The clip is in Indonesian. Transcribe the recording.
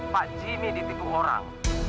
pak jimmy ditipu orang